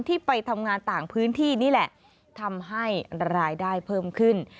ที่ไปทำงานต่างพื้นที่นี่แหละทำให้รายได้เพิ่มขึ้น